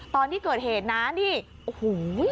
ตอนที่เกิดเหตุนะนี่โอ้โห